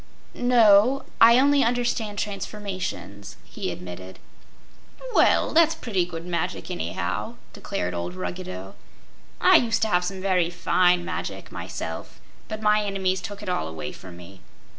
"No; I only understand transformations," he admitted. "Well, that's pretty good magic, anyhow," declared old Ruggedo. "I used to have some very fine magic, myself, but my enemies took it all away from me.